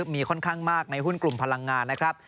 มีค่อนข้างมากในหุ้นกลุ่มพลังงานนะครับ